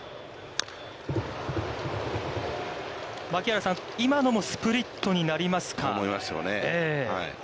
槙原さん、今のもスプリットになりますか。と思いますよね。